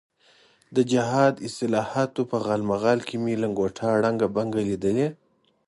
د جهاد اصطلاحاتو په غالمغال کې مې لنګوټه ړنګه بنګه لیدلې.